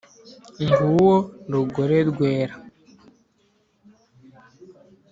Nguwo rugore rwera,